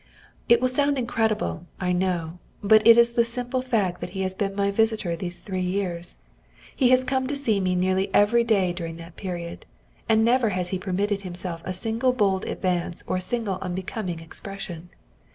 It will sound incredible, I know, but it is the simple fact that he has been my visitor these three years. He has come to see me nearly every day during that period, and never has he permitted himself a single bold advance or a single unbecoming expression.